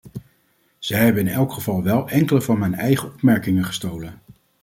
Zij hebben in elk geval wel enkele van mijn eigen opmerkingen gestolen!